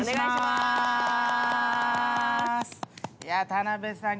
「田辺さん。